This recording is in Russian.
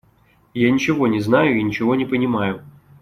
Я ничего не знаю и ничего не понимаю.